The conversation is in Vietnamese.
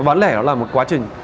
bán lẻ đó là một quá trình